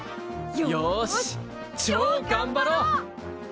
よしちょうがんばろう！